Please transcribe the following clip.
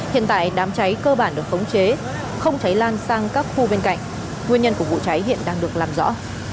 hiện tại đám cháy cơ bản được khống chế không cháy lan sang các khu bên cạnh nguyên nhân của vụ cháy hiện đang được làm rõ